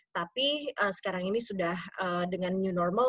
tapi sekarang ini sudah dengan new normal